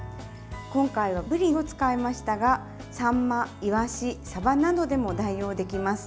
今回は、ぶりを使いましたがさんま、いわし、さばなどでも代用できます。